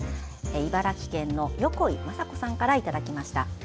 茨城県の横井正子さんからいただきました。